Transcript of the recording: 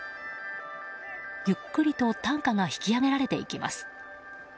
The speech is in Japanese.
ゆっくりと担架が引き上げられていきます。